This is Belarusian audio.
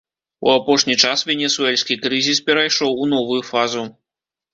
У апошні час венесуэльскі крызіс перайшоў у новую фазу.